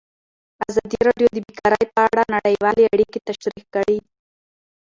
ازادي راډیو د بیکاري په اړه نړیوالې اړیکې تشریح کړي.